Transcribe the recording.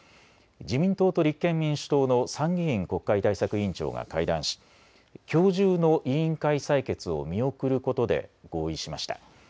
自民党と立憲民主党の参議院国会対策委員長が会談しきょう中の委員会採決を見送ることで合意しました。